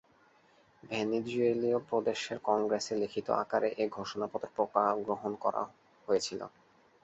ভেনেজুয়েলীয় প্রদেশের কংগ্রেসে লিখিত আকারে এ ঘোষণাপত্র গ্রহণ করা হয়েছিল।